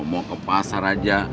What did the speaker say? mau ke pasar aja